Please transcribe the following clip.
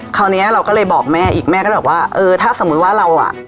คราวนี้เราก็เลยบอกแม่อีกแม่ก็เลยบอกว่าเออถ้าสมมุติว่าเราอ่ะ